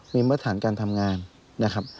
มีประถานการทำงานนะครับ